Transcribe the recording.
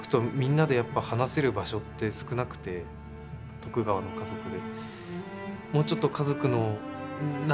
徳川の家族で。